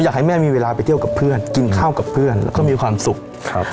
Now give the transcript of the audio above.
อยากให้แม่มีเวลาไปเที่ยวกับเพื่อนกินข้าวกับเพื่อนแล้วก็มีความสุขครับ